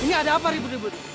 ini ada apa ribut ribut